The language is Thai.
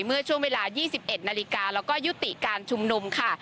เมื่อช่วงเวลา๒๑นาฬิกาแล้วก็ยุติการชุมนุมค่ะ